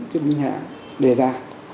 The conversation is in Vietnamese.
tiếp hình hãng đề ra